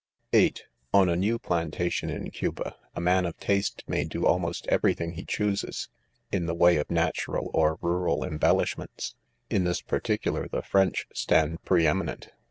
(8) On a. new plantation in Cuba, a man of taste may do almost every thing he chooses, in the way of natural ■or rural embellishments. In' this particular the French stand pre eminent.